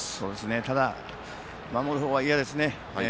ただ、守る方は嫌ですね。